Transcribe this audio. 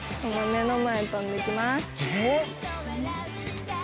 目の前跳んでいきます。